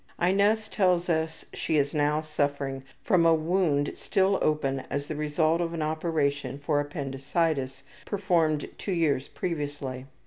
Inez tells us she is now suffering from a wound still open as the result of an operation for appendicitis performed two years previously.